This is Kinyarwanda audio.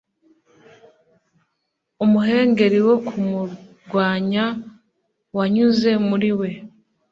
Umuhengeri wo kumurwanya wanyuze muri we